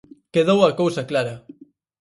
Quedou a cousa clara.